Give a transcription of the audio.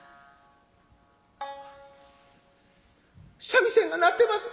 「三味線が鳴ってます！」。